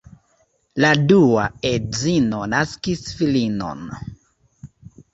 La dua edzino naskis filinon.